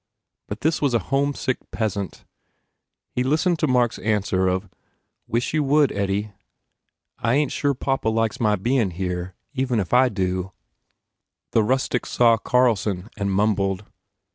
But this was a homesick peasant. He listened 19 THE FAIR REWARDS to Mark s answer of, "Wish you would, Eddie. I ain t sure papa likes my bein here. Even if I do " The rustic saw Carlson and mumbled.